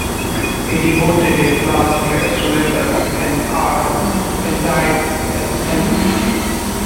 He devoted his last years to letters and art, and died at Annecy.